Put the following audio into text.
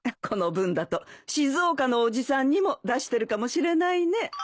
この分だと静岡の伯父さんにも出してるかもしれないね。